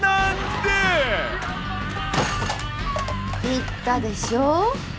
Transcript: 言ったでしょう？